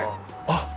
あっ！